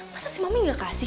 masa si mami gak kasih